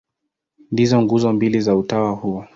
Ndizo nguzo mbili za utawa huo.